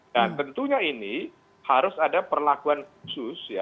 dan tentunya ini harus ada perlakuan khusus